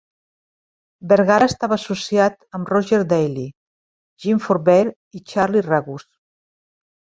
Vergara estava associat amb Roger Daley, Jim Fobair i Charlie Ragus.